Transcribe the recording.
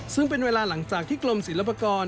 ซึ่งเป็นเวลาหลังจากที่กรมศิลปากร